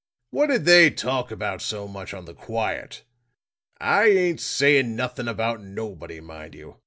What did they talk about so much on the quiet? I ain't saying nothing about nobody, mind you.